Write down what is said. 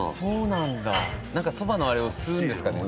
なんかそばのあれを吸うんですかね？